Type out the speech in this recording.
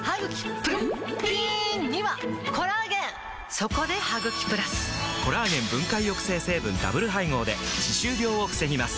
そこで「ハグキプラス」！コラーゲン分解抑制成分ダブル配合で歯周病を防ぎます